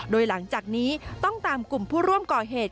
โดยหลังจากนี้ต้องตามกลุ่มผู้ร่วมก่อเหตุ